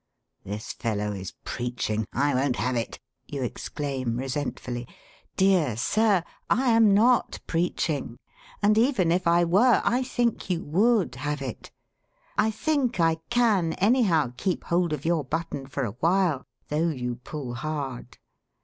'This fellow is preaching. I won't have it!' you exclaim resentfully. Dear sir, I am not preaching, and, even if I were, I think you would have it. I think I can anyhow keep hold of your button for a while, though you pull hard.